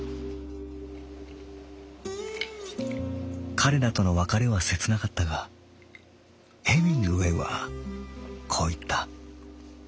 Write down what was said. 「彼らとの別れは切なかったがヘミングウェイはこういった。